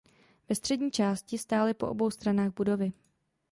Ve střední části stály po obou stranách budovy.